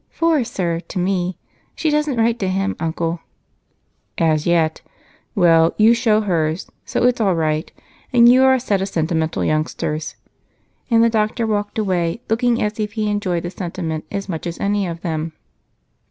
"Four, sir, to me. She doesn't write to him, Uncle." "As yet. Well, you show hers, so it's all right and you are a set of sentimental youngsters." And the doctor walked away, looking as if he enjoyed the sentiment as much as any of them.